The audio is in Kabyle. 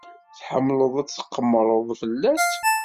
Tḥemmled ad tqemmred fell-as?